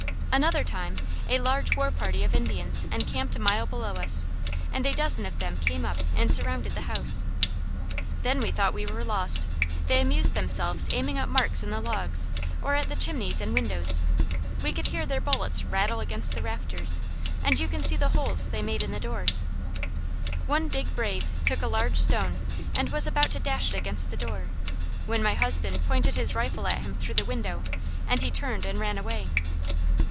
"Another time, a large war party of Indians encamped a mile below us, and a dozen of them came up and surrounded the house. Then we thought we were lost: they amused themselves aiming at marks in the logs, or at the chimney and windows; we could hear their bullets rattle against the rafters, and you can see the holes they made in the doors. One big brave took a large stone and was about to dash it against the door, when my husband pointed his rifle at him through the window, and he turned and ran away.